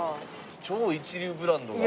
超一流ブランドが。